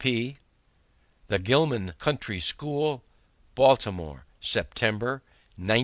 F. W. P. The Gilman Country School, Baltimore, September, 1916.